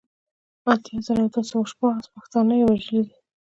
اته اتيا زره دوه سوه شپاړل پښتانه يې وژلي دي